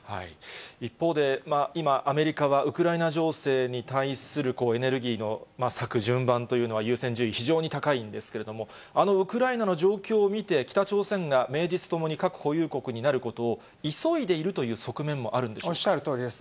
一方で、今、アメリカはウクライナ情勢に対するエネルギーの割く順番というのは、優先順位、非常に高いんですけれども、ウクライナの状況を見て、北朝鮮が名実ともに核保有国になることを急いでいるという側面もおっしゃるとおりです。